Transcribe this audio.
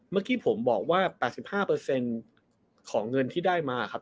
เมื่อกี้ผมบอกว่า๘๕ของเงินที่ได้มาครับ